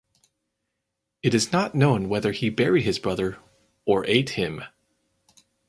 It is not known whether he buried his brother or ate him.